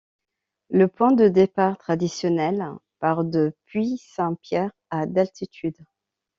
Le point de départ traditionnel part de Puy-Saint-Pierre, à d'altitude.